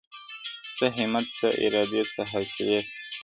o څه همت څه ارادې څه حوصلې سه,